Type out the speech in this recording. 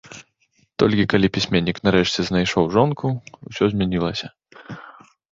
Толькі калі пісьменнік нарэшце знайшоў жонку, усё змянілася.